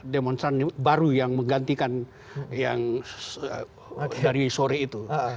demonstran baru yang menggantikan yang dari sore itu